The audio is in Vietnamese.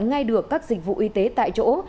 ngay được các dịch vụ y tế tại chỗ